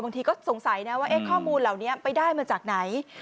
ก็สงสัยนะว่าข้อมูลเหล่านี้ไปได้มาจากไหน